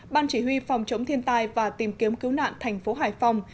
ban chỉ huy phòng chống thiên tai và tìm kiếm cứu nạn thành phố hải phòng